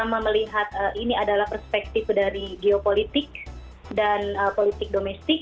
saya melihat ini adalah perspektif dari geopolitik dan politik domestik